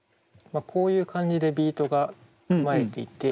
こういう感じでビートが組まれていて。